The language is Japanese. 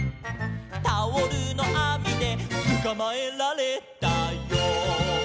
「タオルのあみでつかまえられたよ」